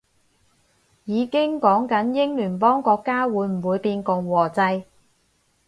已經講緊英聯邦國家會唔會變共和制